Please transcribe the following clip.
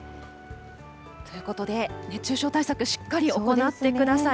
ということで、熱中症対策、しっかり行ってください。